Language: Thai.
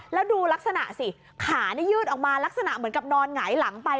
แล้วดูลักษณะสิขานี่ยืดออกมาลักษณะเหมือนกับนอนหงายหลังไป